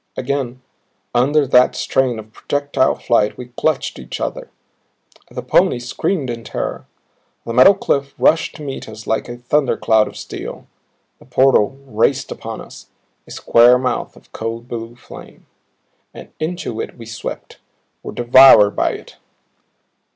Again under that strain of projectile flight we clutched each other; the pony screamed in terror. The metal cliff rushed to meet us like a thunder cloud of steel; the portal raced upon us a square mouth of cold blue flame. And into it we swept; were devoured by it.